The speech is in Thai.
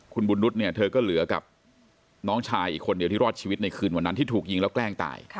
คุณบุญนุษย์เนี่ยเธอก็เหลือกับน้องชายอีกคนเดียวที่รอดชีวิตในคืนวันนั้นที่ถูกยิงแล้วแกล้งตาย